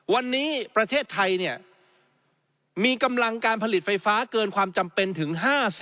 วันนี้ประเทศไทยมีกำลังการผลิตไฟฟ้าเกินความจำเป็นถึง๕๐